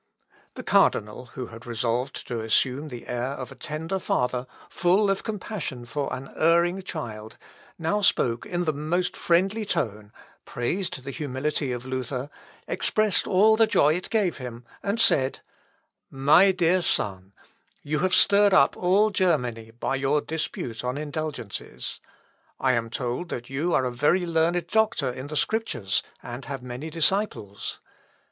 The cardinal, who had resolved to assume the air of a tender father, full of compassion for an erring child, now spoke in the most friendly tone, praised the humility of Luther, expressed all the joy it gave him, and said: "My dear son, you have stirred up all Germany by your dispute on indulgences. I am told that you are a very learned doctor in the Scriptures, and have many disciples.